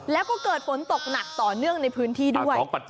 แล้วก็เกิดฝนตกหนักต่อเนื่องในพื้นที่ด้วย